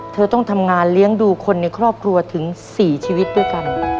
เธอต้องทำงานเลี้ยงดูคนในครอบครัวถึง๔ชีวิตด้วยกัน